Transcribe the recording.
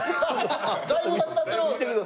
だいぶなくなってる！